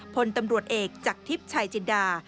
พลตำรวจเอกจากทิพย์ชายจินดา